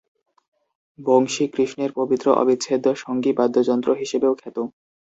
বংশী কৃষ্ণের পবিত্র অবিচ্ছেদ্য সঙ্গী বাদ্যযন্ত্র হিসেবেও খ্যাত।